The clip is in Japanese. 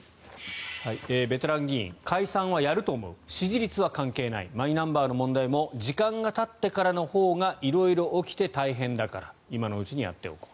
ベテラン議員、解散はやると思う支持率は関係ないマイナンバーの問題も時間がたってからのほうが色々起きて大変だから今のうちにやっておこう。